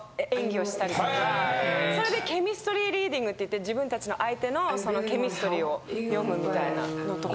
それでケミストリーリーディングっていって自分たちの相手のケミストリーを読むみたいなのとか。